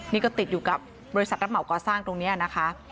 นี่ก็ติดอยู่กับบริษัทรับเหมาก่อสร้างตรงนี้นะคะ